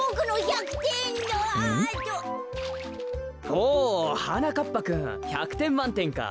ほうはなかっぱくん１００てんまんてんか。